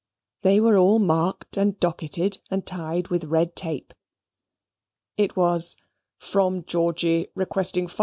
They were all marked and docketed, and tied with red tape. It was "From Georgy, requesting 5s.